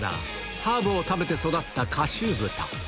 ハーブを食べて育った花悠豚。